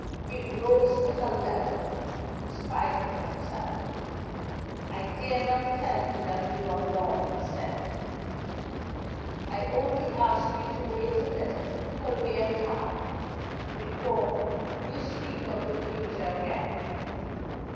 He rose to her level, in spite of himself. "I dare not tell you that you are wrong," he said. "I only ask you to wait a little till we are calmer, before you speak of the future again."